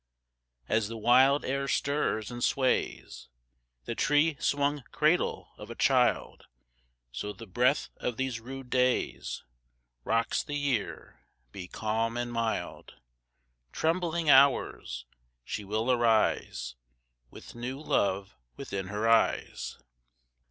3. As the wild air stirs and sways The tree swung cradle of a child, So the breath of these rude days _15 Rocks the Year: be calm and mild, Trembling Hours, she will arise With new love within her eyes.